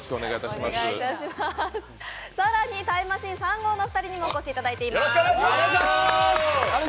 更にタイムマシーン３号のお二人にもお越しいただいております。